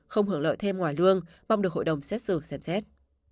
không hưởng lợi thêm ngoài lương mong được hội đồng xét xử xem xét